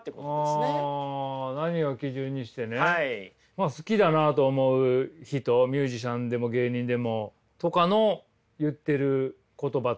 まあ好きだなと思う人ミュージシャンでも芸人でもとかの言ってる言葉とか。